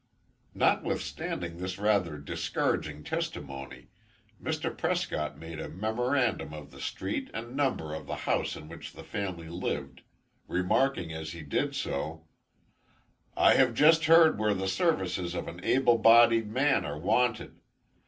Notwithstanding this rather discouraging testimony, Mr. Prescott made a memorandum of the street and number of the house in which the family lived, remarking as he did so: "I have just heard where the services of an able bodied man are wanted.